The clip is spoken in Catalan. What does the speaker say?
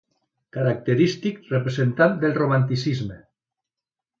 Característic representant del Romanticisme.